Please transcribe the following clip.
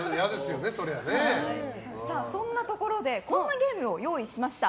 そんなところでこんなゲームを用意しました。